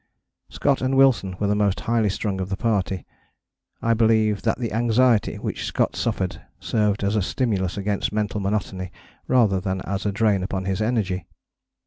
Scott and Wilson were the most highly strung of the party: I believe that the anxiety which Scott suffered served as a stimulus against mental monotony rather than as a drain upon his energy.